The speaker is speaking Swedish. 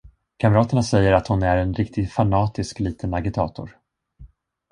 Kamraterna säger, att hon är en riktigt fanatisk liten agitator.